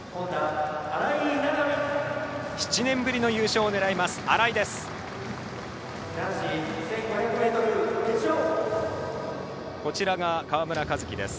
７年ぶりの優勝を狙います荒井です。